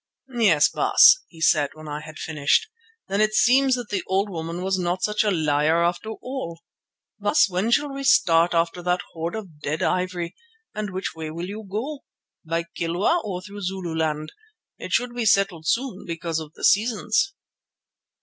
"Yes, Baas," he said when I had finished, "then it seems that the old woman was not such a liar after all. Baas, when shall we start after that hoard of dead ivory, and which way will you go? By Kilwa or through Zululand? It should be settled soon because of the seasons."